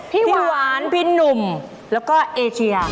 พี่หวานพี่หนุ่มแล้วก็เอเชีย